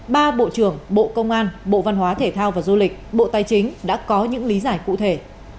ba bộ trưởng bộ công an bộ văn hóa thể thao và du lịch bộ tài chính đã có những lý giải cụ thể